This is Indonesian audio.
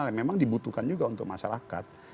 yang memang dibutuhkan juga untuk masyarakat